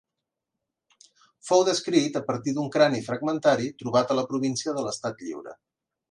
Fou descrit a partir d'un crani fragmentari trobat a la província de l'Estat Lliure.